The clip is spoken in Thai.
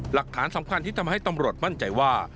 หลักฐานสำคัญที่ทำให้ตำรวจมั่นใจว่า